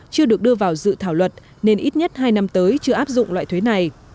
chưa được đưa vào dự thảo luật nên ít nhất hai năm tới chưa áp dụng loại thuế này